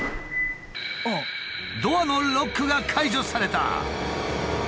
ドアのロックが解除された！